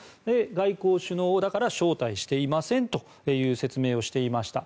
外国首脳はだから招待していませんという説明をしていました。